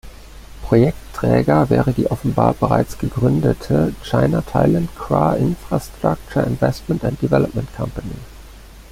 Projektträger wäre die offenbar bereits gegründete "China-Thailand Kra Infrastructure Investment and Development Company".